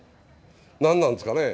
何なんですかね。